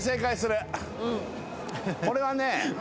これはね